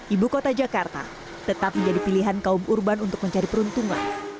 ibu kota jakarta tetap menjadi pilihan kaum urban untuk mencari peruntungan